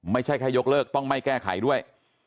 ไม่ใช่แค่ยกเลิกต้องไม่แก้ไขด้วย